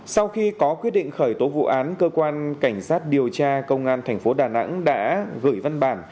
sau khi có quyết định khởi tố vụ án cơ quan cảnh sát điều tra công an thành phố đà nẵng đã gửi văn bản